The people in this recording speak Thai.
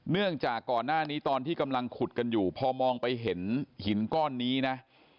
เนื่องจากก่อนหน้านี้ตอนที่กำลังขุดกันอยู่พอมองไปเห็นหินก้อนนี้นะ